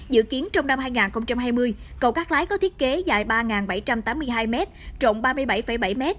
dự kiến trong năm hai nghìn hai mươi cầu cát lái có thiết kế dài ba bảy trăm tám mươi hai m trọng ba mươi bảy bảy m